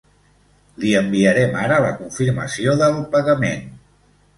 Li enviarem ara la confirmació del pagament.